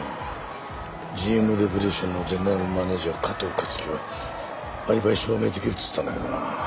ＧＭレボリューションのゼネラルマネージャー加藤香月はアリバイ証明できるっつってたんだけどな。